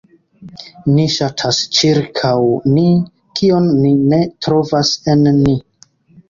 Ni ŝatas ĉirkaŭ ni, kion ni ne trovas en ni.